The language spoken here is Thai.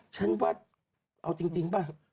ฉันว่าเอาจริงป่ะ